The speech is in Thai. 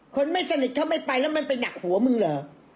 คนไม่สนิทเขาไม่ไปแล้วมันไปหนักหัวมึงเหรอ